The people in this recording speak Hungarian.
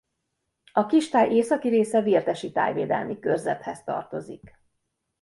A kistáj északi része Vértesi Tájvédelmi Körzethez tartozik.